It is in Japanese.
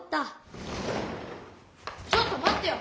ちょっとまってよ！